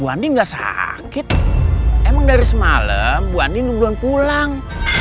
bu andi gak sakit emang dari semalam bu andi belum pulang